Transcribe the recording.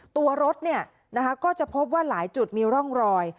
ตัวรถก็จะพบว่าหลายจุดมีร่องรอย